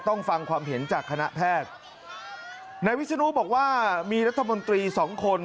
ฟังความเห็นจากคณะแพทย์นายวิศนุบอกว่ามีรัฐมนตรีสองคน